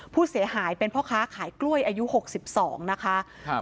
ผู้เสียหายเป็นพ่อค้าขายกล้วยอายุหกสิบสองนะคะครับ